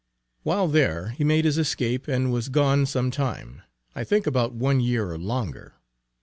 While there he made his escape and was gone some time, I think about one year or longer.